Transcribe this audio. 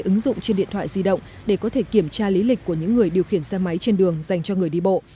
ứng dụng trên điện thoại di động để có thể kiểm tra lý lịch của những người điều khiển xe máy trên đường dành cho người đi bộ